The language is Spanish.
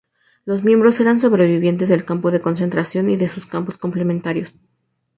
Los miembros eran sobrevivientes del campo de concentración y de sus campos complementarios.